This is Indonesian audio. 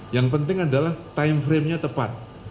yang penting adalah time frame nya tepat